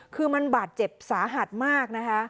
คือมันบาดเจ็บสาหัสมากนะคะ